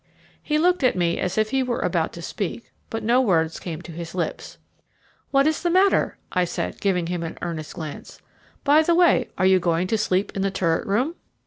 He looked at me as if he were about to speak, but no words came from his lips. "What is the matter?" I said, giving him an earnest glance. "By the way, are you going to sleep in the turret room?"